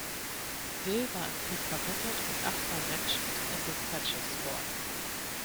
Dill war im Krieg verwundet und achtmal Mentioned in Despatches worden.